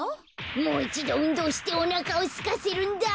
もういちどうんどうしておなかをすかせるんだ。